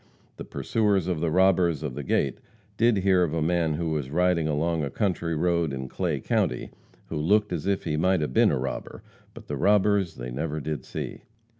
The pursuers of the robbers of the gate did hear of a man who was riding along a country road in Clay county who looked as if he might have been a robber, but the robbers they never did see.